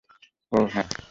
ও, হ্যাঁ।